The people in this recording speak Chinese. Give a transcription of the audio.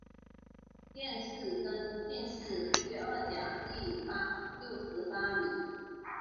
殿试登进士第二甲第六十八名。